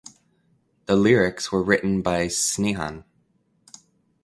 The lyrics were written by Snehan.